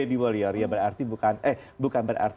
lady warrior ya berarti bukan eh bukan berarti